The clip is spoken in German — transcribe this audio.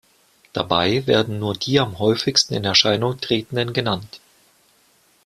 Dabei werden nur die am häufigsten in Erscheinung tretenden genannt.